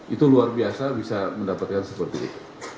itu luar biasa bisa mendapatkan seperti itu